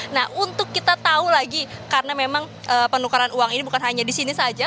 nah untuk kita tahu lagi karena memang penukaran uang ini bukan hanya di sini saja